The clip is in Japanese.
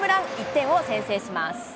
１点を先制します。